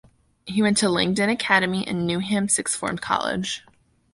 He went to Langdon Academy and Newham Sixth Form College.